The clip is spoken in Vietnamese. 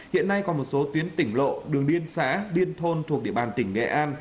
hiện nay còn một số tuyến tỉnh lộ đường điên xã điên thôn thuộc địa bàn tỉnh nghệ an